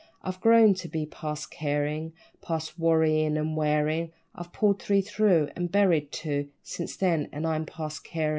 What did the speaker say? _I've grown to be past carin', Past worryin' and wearin'; I've pulled three through and buried two Since then, and I'm past carin'.